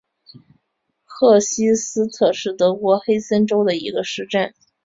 赫希斯特是德国黑森州的一个市镇。